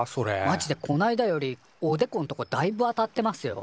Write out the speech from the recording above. マジでこないだよりおでこんとこだいぶ当たってますよ。